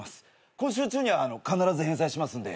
今週中には必ず返済しますんで。